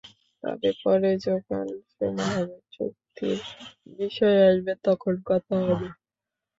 তবে পরে যখন সময় হবে, চুক্তির বিষয় আসবে তখন কথা হবে।